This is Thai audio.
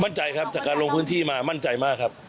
มั่นใจครับจากการลงพื้นที่มามั่นใจมากครับ